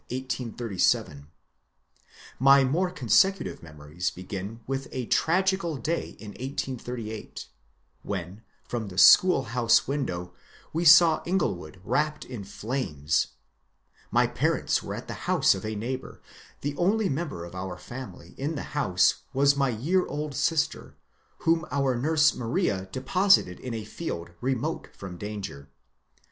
My more consecutive memories begin with a tragical day in 1838, when from the schoolhouse window we saw Ingle wood wrapped in flames. My parents were at the house of a neighbour; the only member of our family in the house was my year old sister, whom our nurse Maria deposited in a field remote from danger.